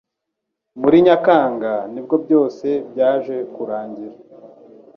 muri Nyakanga nibwo byose byaje kurangira